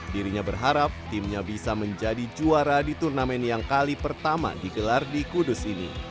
dirinya berharap timnya bisa menjadi juara di turnamen yang kali pertama digelar di kudus ini